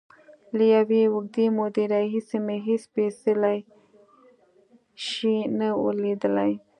له یوې اوږدې مودې راهیسې مې هېڅ سپېڅلی شی نه و لیدلی.